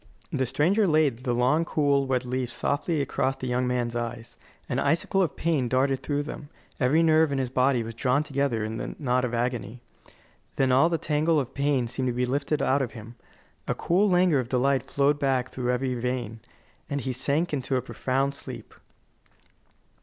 The stranger laid the long, cool, wet leaf softly across the young man's eyes. An icicle of pain darted through them; every nerve in his body was drawn together there in a knot of agony. Then all the tangle of pain seemed to be lifted out of him. A cool languor of delight flowed back through every vein, and he sank into a profound sleep.